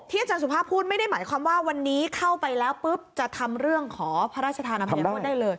อาจารย์สุภาพพูดไม่ได้หมายความว่าวันนี้เข้าไปแล้วปุ๊บจะทำเรื่องขอพระราชทานอภัยโทษได้เลย